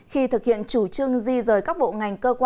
khi thực hiện chủ trương di rời các bộ ngành